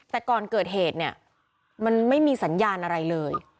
แต่ก่อนเกิดเหตุเนี่ยมันไม่มีสัญญาณอะไรเลย